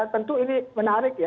tentu ini menarik ya